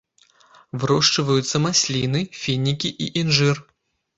Вырошчваюцца масліны, фінікі і інжыр.